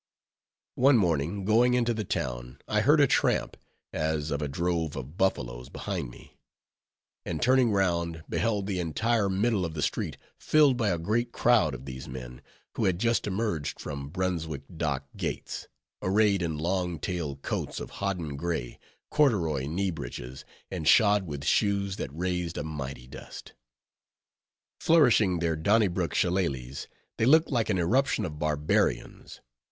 One morning, going into the town, I heard a tramp, as of a drove of buffaloes, behind me; and turning round, beheld the entire middle of the street filled by a great crowd of these men, who had just emerged from Brunswick Dock gates, arrayed in long tailed coats of hoddin gray, corduroy knee breeches, and shod with shoes that raised a mighty dust. Flourishing their Donnybrook shillelahs, they looked like an irruption of barbarians.